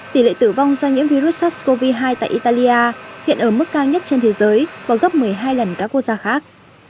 tỷ lệ tử vong do nhiễm virus sars cov hai tại italia hiện ở mức cao nhất trên thế giới và gấp một mươi hai lần các quốc gia khác